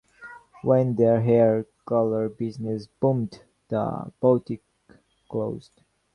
When their hair color business boomed, the boutique closed.